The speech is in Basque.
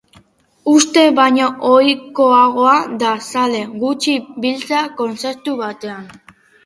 Uste baino ohikoagoa da zale gutxi biltzea kontzertu batean.